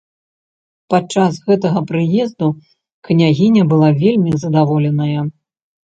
Падчас гэтага прыезду княгіня была вельмі задаволеная!